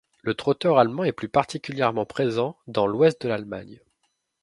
Le Trotteur allemand est plus particulièrement présent dans l'Ouest de l'Allemagne.